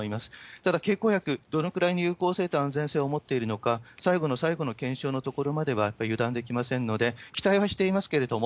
ただ、経口薬、どのくらいの有効性と安全性を持っているのか、最後の最後の検証のところまではやっぱり油断できませんので、期待はしていますけれども、